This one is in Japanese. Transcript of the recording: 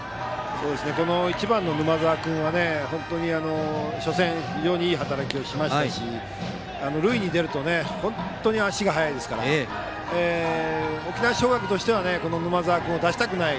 １番の沼澤君は初戦非常にいい働きをしましたし塁に出ると本当に足が速いですから沖縄尚学としてはこの沼澤君を出したくない。